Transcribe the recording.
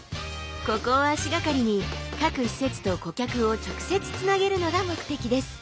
ここを足がかりに各施設と顧客を直接つなげるのが目的です。